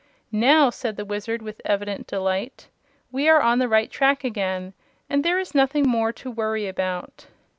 "Now," said the Wizard, with evident delight, "we are on the right track again, and there is nothing more to worry about."